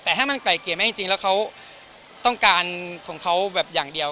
แต่ถ้ามันไกลเกลี่ยแม่จริงแล้วเขาต้องการของเขาแบบอย่างเดียว